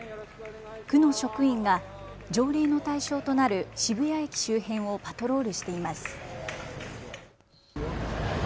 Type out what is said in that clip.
区の職員が条例の対象となる渋谷駅周辺をパトロールしています。